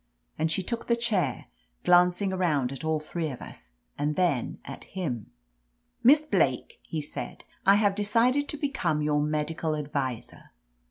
And she took the chair, glancing around at all three of us and then at him. "Miss Blake," he said, "I have decided to become your medical adviser